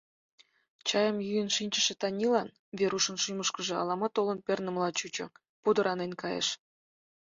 Чайым йӱын шинчыше Танилан Верушын шӱмышкыжӧ ала-мо толын пернымыла чучо, пудыранен кайыш.